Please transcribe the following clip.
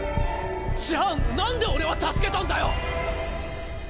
じゃあなんで俺は助けたんだよ